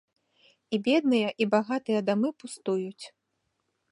І бедныя, і багатыя дамы пустуюць.